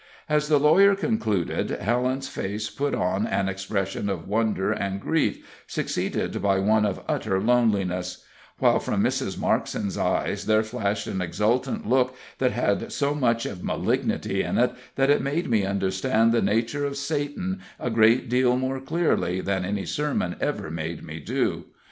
As the lawyer concluded, Helen's face put on an expression of wonder and grief, succeeded by one of utter loneliness; while from Mrs. Markson's eyes there flashed an exultant look that had so much of malignity in it that it made me understand the nature of Satan a great deal more clearly than any sermon ever made me do.